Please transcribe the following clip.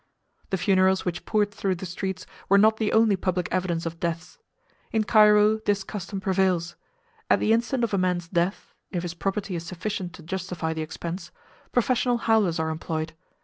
The funerals which poured through the streets were not the only public evidence of deaths. In Cairo this custom prevails: At the instant of a man's death (if his property is sufficient to justify the expense) professional howlers are employed.